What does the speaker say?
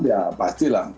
ya pasti lah